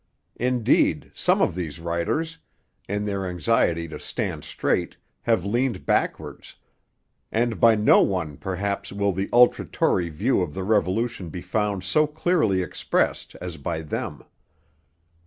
Indeed, some of these writers, in their anxiety to stand straight, have leaned backwards; and by no one perhaps will the ultra Tory view of the Revolution be found so clearly expressed as by them.